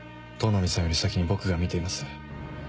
都波さんより先に僕が見ています。